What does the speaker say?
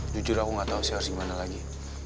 jujur aku gak tau sih harus gimana lagi